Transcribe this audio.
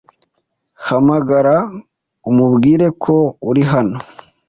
Hamagara umubwire ko uri hano.